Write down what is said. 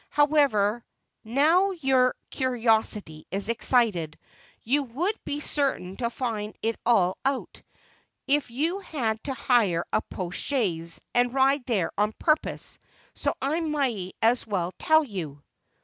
However, now your curiosity is excited, you would be certain to find it all out, if you had to hire a post chaise, and ride there on purpose; so I may as well tell you."